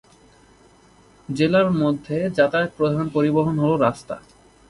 জেলার মধ্যে যাতায়াত প্রধান পরিবহন হল রাস্তা।